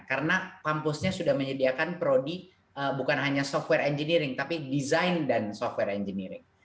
karena kampusnya sudah menyediakan prodi bukan hanya software engineering tapi design dan software engineering